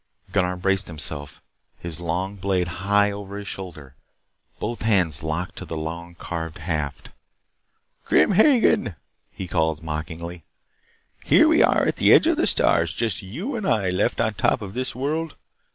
Gunnar braced himself, his long blade high over his shoulder, both hands locked to the long carved haft. "Grim Hagen," he called mockingly. "Here we are at the edge of the stars. Just you and I left on top of this world.